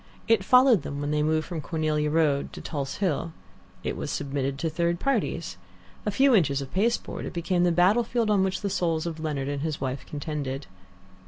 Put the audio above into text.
It followed them when they moved from Cornelia Road to Tulse Hill. It was submitted to third parties. A few inches of pasteboard, it became the battlefield on which the souls of Leonard and his wife contended.